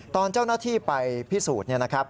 ตอนเจ้าหน้าที่ไปพิสูจน์